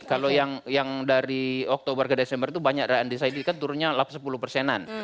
kalau yang dari oktober ke desember itu banyak dari undecided kan turunnya sepuluh an